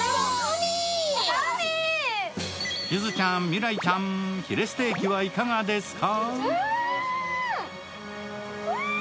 ゆずちゃん、未来ちゃん、ヒレステーキはいかがですか？